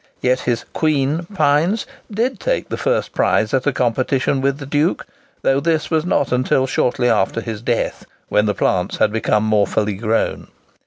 Yet his "Queen" pines did take the first prize at a competition with the Duke,—though this was not until shortly after his death, when the plants had become more fully grown.